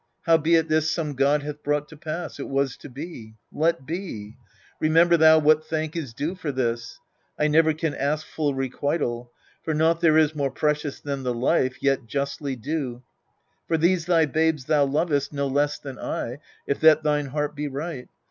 Howbeit this Some god hath brought to pass : it was to be. Let be : remember thou what thank is due For this : I never can ask full requital ; For naught there is more precious than the life Yet justly due : for these thy babes thou lovest No less than I, if that thine heart be, right.